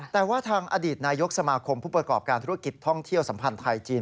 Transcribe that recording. แต่ว่าทางอดีตนายกสมาคมผู้ประกอบการธุรกิจท่องเที่ยวสัมพันธ์ไทยจีน